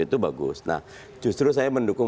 itu bagus nah justru saya mendukung